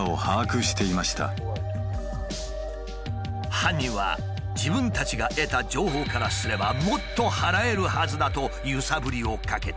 犯人は「自分たちが得た情報からすればもっと払えるはずだ」と揺さぶりをかけてきた。